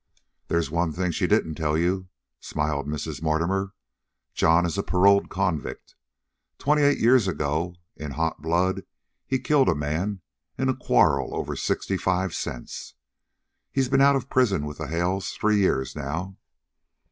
"There's one thing she didn't tell you," smiled Mrs. Mortimer. "John is a paroled convict. Twenty eight years ago, in hot blood, he killed a man in a quarrel over sixty five cents. He's been out of prison with the Hales three years now.